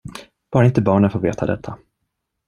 Bara inte barnen får veta detta!